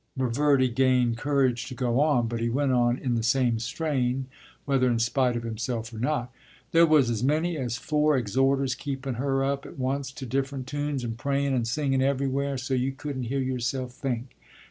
Reverdy gained courage to go on, but he went on in the same strain, whether in spite of himself or not. “There was as many as four exhorters keepun' her up at once to diff'rent tunes, and prayun' and singun' everywhere, so you couldn't hear yourself think.